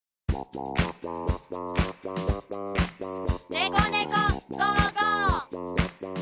「ねこねこ５５」！